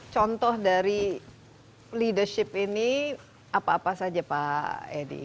contoh dari leadership ini apa apa saja pak edi